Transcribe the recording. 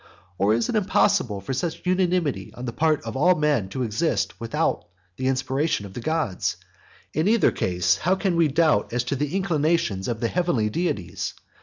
Or if it was impossible for such unanimity on the part of all men to exist without the inspiration of the gods, in either case how can we doubt as to the inclinations of the heavenly deities?